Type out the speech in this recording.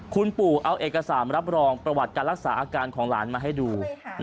คุณปู่เอาเอกสารรับรองประวัติการรักษาอาการของหลานมาให้ดู